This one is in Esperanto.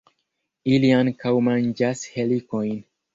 Ili ankaŭ manĝas helikojn.